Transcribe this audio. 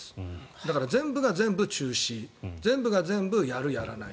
だから全部が全部中止全部が全部やるやらない